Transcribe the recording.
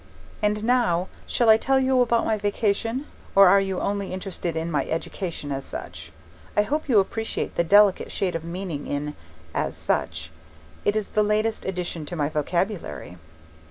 And now, shall I tell you about my vacation, or are you only interested in my education as such? I hope you appreciate the delicate shade of meaning in 'as such'. It is the latest addition to my vocabulary.